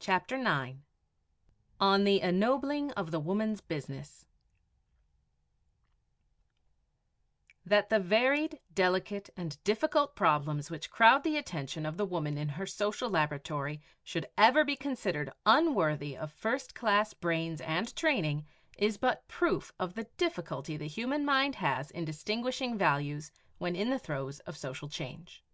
CHAPTER IX ON THE ENNOBLING OF THE WOMAN'S BUSINESS That the varied, delicate, and difficult problems which crowd the attention of the woman in her social laboratory should ever be considered unworthy of first class brains and training is but proof of the difficulty the human mind has in distinguishing values when in the throes of social change.